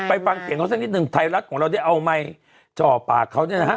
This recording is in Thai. ไปฟังเสียงเขาสักนิดหนึ่งไทยรัฐของเราได้เอาไมค์จ่อปากเขาเนี่ยนะฮะ